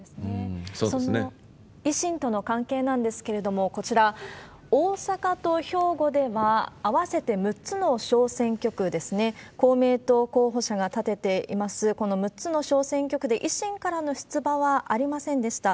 その維新との関係なんですけれども、こちら、大阪と兵庫では、合わせて６つの小選挙区ですね、公明党候補者が立てています、この６つの小選挙区で維新からの出馬はありませんでした。